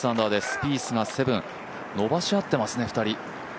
スピースが７、伸ばし合ってますね、２人。